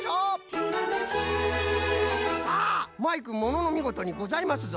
「ひらめき」さあマイクもののみごとにございますぞ！